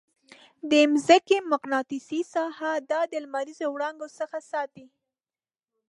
د مځکې مقناطیسي ساحه دا د لمریزو وړانګو څخه ساتي.